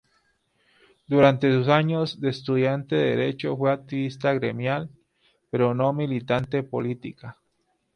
Durante sus años de estudiante de derecho fue activista gremial, pero no militante política.